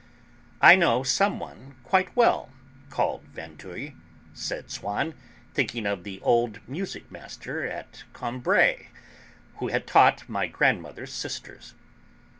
"I know some one, quite well, called Vinteuil," said Swann, thinking of the old music master at Combray who had taught my grandmother's sisters.